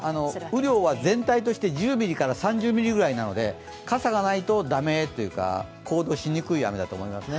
雨量は全体として１０ミリから３０ミリなので傘がないと駄目というか、行動しにくい雨だと思います。